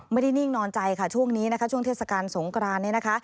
นิ่งนอนใจค่ะช่วงนี้นะคะช่วงเทศกาลสงกรานนี้นะคะ